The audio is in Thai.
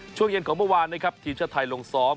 ช่วงเย็นของเมื่อวานนะครับทีมชาติไทยลงซ้อม